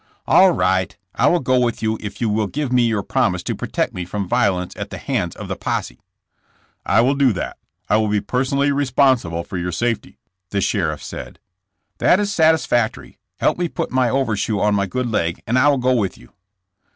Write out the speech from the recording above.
'''' All right ; I will go with you if you will give me your promise to protect me from violence at the hands of the posse.'' "I will do that. I will be personally responsi ble for your safety." the sheriff said. "That is satisfactory. Help me put my over shoe on my good leg and I will go with you."